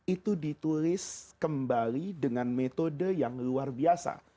itu ditulis kembali dengan metode yang luar biasa